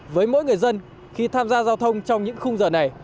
với mỗi người dân khi tham gia giao thông trong những khung giờ này